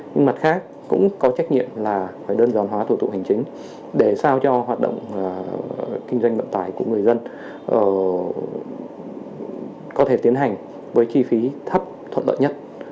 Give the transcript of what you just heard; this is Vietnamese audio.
nhưng mặt khác cũng có trách nhiệm là phải đơn giản hóa thủ tục hành chính để sao cho hoạt động kinh doanh vận tải của người dân có thể tiến hành với chi phí thấp thuận lợi nhất